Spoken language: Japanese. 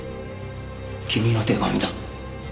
君の手紙だ。